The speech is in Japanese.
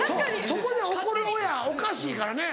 そこで怒る親おかしいからね。